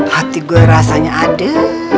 hati gue rasanya adem